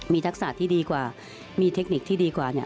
มีทักษะที่ดีกว่ามีเทคนิคที่ดีกว่าเนี่ย